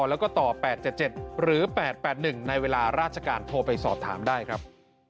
แล้วก็ต่อ๘๗๗หรือ๘๘๑ในเวลาราชการโทรไปสอบถามได้ครับ